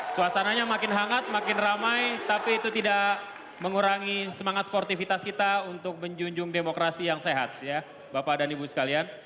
suasananya makin hangat makin ramai tapi itu tidak mengurangi semangat sportivitas kita untuk menjunjung demokrasi yang sehat ya bapak dan ibu sekalian